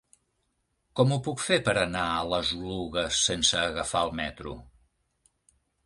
Com ho puc fer per anar a les Oluges sense agafar el metro?